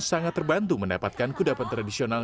sangat terbantu mendapatkan kudapan tradisional